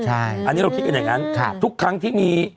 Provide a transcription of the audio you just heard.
อันนี้เราคิดกันอย่างนั้นทุกครั้งที่มี